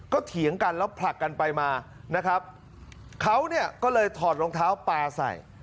ก็เถียงกันแล้วผลักกันไปมานะครับเขาเนี่ยก็เลยถอดรองเท้าปลาใส่